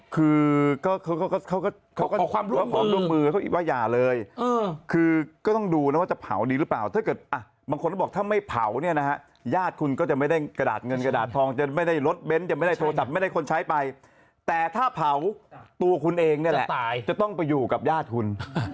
คือเขาก็เขาก็ขอร่วมมือเขาอีกว่าอย่าเลยคือก็ต้องดูนะว่าจะเผาดีหรือเปล่าถ้าเกิดบางคนก็บอกถ้าไม่เผาเนี่ยนะฮะญาติคุณก็จะไม่ได้กระดาษเงินกระดาษทองจะไม่ได้รถเบ้นจะไม่ได้โทรศัพท์ไม่ได้คนใช้ไปแต่ถ้าเผาตัวคุณเองเนี่ยแหละจะต้องไปอยู่กับญาติคุณ